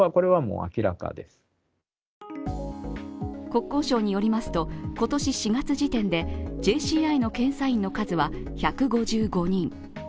国交省によりますと、今年４月時点でＪＣＩの検査員の数は１５５人。